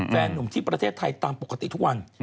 แฟนนุ่มที่ประเทศไทยตามปกติทุกวัน